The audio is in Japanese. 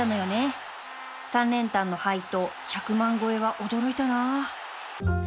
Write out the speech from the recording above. ３連単の配当１００万超えは驚いたなあ